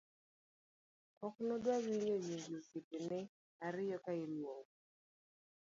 ok ne odwa winjo nyinge osiepene ariyo ka iluongo